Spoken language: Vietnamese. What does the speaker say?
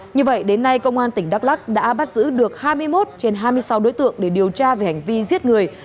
như vậy đến nay công an tỉnh đắk lắc đã bắt giữ được hai mươi một trên hai mươi sáu đối tượng để điều tra về hành vi giết người